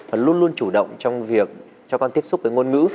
và luôn luôn chủ động trong việc cho con tiếp xúc với ngôn ngữ